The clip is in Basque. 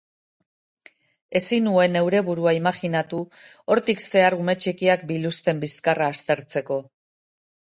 Ezin nuen neure burua imajinatu hortik zehar ume txikiak biluzten bizkarra aztertzeko.